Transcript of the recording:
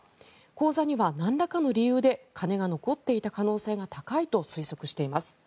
口座にはなんらかの理由で金が残っていた可能性が高いと推測しています。